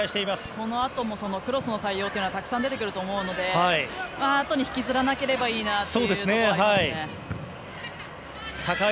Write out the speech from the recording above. このあともクロスの対応というのはたくさん出てくると思うのであとに引きずらなければいいなというのはありますね。